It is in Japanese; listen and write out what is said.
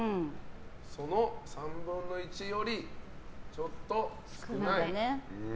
その３分の１よりちょっと少ない。